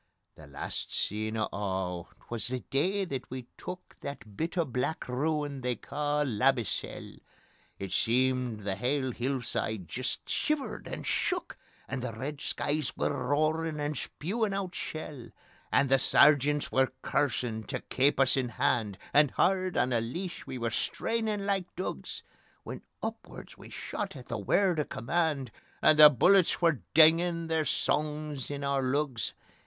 .. The last scene o' a' 'twas the day that we took That bit o' black ruin they ca' Labbiesell. It seemed the hale hillside jist shivered and shook, And the red skies were roarin' and spewin' oot shell. And the Sergeants were cursin' tae keep us in hand, And hard on the leash we were strainin' like dugs, When upward we shot at the word o' command, And the bullets were dingin' their songs in oor lugs.